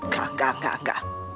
gak gak gak gak